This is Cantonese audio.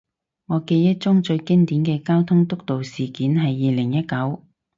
我記憶中最經典嘅交通督導事件係二零一九